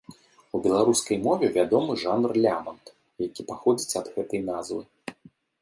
У беларускай мове вядомы жанр лямант, які паходзіць ад гэтай назвы.